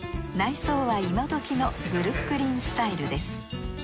内装はいまどきのブルックリンスタイルです。